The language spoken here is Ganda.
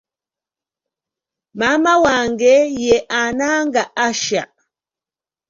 Maama wange ye Ananga Asha.